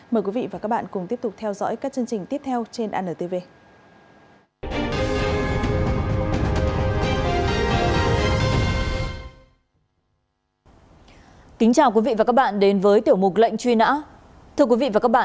mời quý vị và các bạn cùng tiếp tục theo dõi các chương trình tiếp theo trên antv